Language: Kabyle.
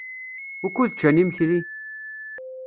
Wukud ččan imekli?